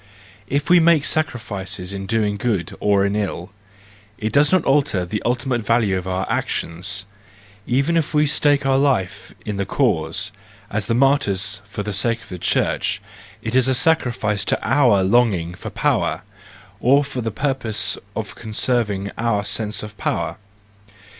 If we make sacrifices in doing good or in doing ill, it does not alter the ultimate value of our actions ; even if we stake our life in the cause, as martyrs for the sake of our church, it is a sacrifice to our longing for power, or for the purpose of conserving our sense of power.